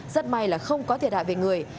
rất may là không có thiệt hại về người